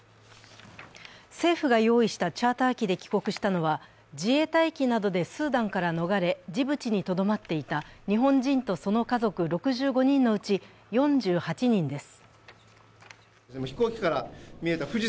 政府が用意したチャーター機で帰国したのは自衛隊機などでスーダンから逃れジブチにとどまっていた日本人とその家族６５人のうち４８人です。